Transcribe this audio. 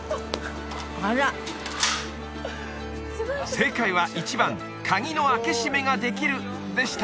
正解は１番「鍵の開け閉めができる」でした！